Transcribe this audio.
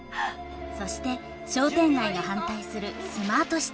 そして商店街が反対するスマートシティ計画。